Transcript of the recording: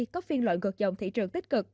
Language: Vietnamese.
có phiên loại ngược dòng thị trường tích cực